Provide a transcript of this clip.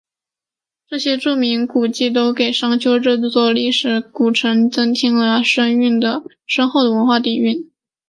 这些著名古迹都给商丘这座历史古城增添了深厚的文化底蕴。